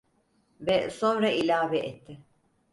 Ve sonra ilave etti: